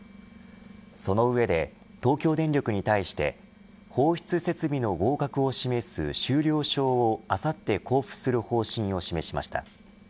その上で、東京電力に対して放出設備の合格を示す終了証をあさって交付する方針を示しました。